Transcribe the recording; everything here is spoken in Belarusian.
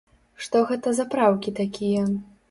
Што гэта за праўкі такія?